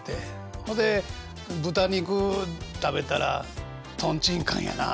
ほんで豚肉食べたら「とんちんかんやなあ」